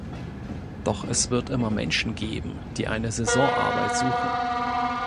Doch es wird immer Menschen geben, die eine Saisonarbeit suchen.